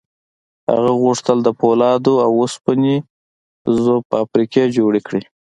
هغه غوښتل د پولادو او اوسپنې ذوب فابریکې جوړې کړي